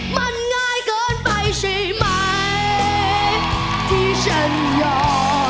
มันง่ายเกินไปใช่ไหมที่ฉันย่อ